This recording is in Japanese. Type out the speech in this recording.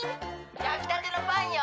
やきたてのパンよ。